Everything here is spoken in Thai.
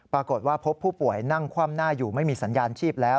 ปรากฏว่าพบผู้ป่วยนั่งคว่ำหน้าอยู่ไม่มีสัญญาณชีพแล้ว